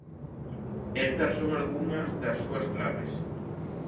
Estas son algunhas das súas claves.